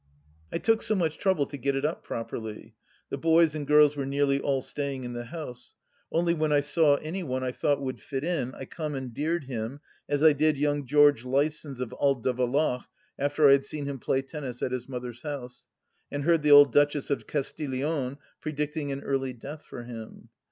I took so much trouble to get it up properly I The boys and girls were nearly all staying in the house; only when I saw any one I thought would fit in I commandeered him, as I did young George Lysons of Aldivalloch after I had seen him play tennis at his mother's house, and heard the old Duchess of Castiglione predicting an early death for him.